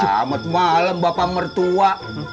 selamat malam bapak mertua